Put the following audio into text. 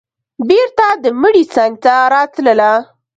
بېرته د مړي څنگ ته راتله.